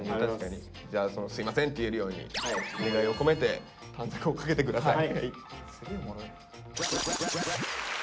じゃあ「すいません」って言えるように願いを込めて短冊をかけて下さい。